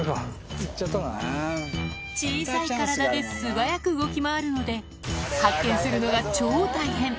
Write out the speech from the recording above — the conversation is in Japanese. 行っちゃった小さい体で素早く動き回るので、発見するのが超大変。